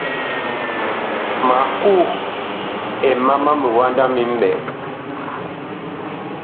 Ma kuh ɛ mama miwanda mi mɓɛɛŋ.